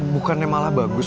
bukannya malah bagus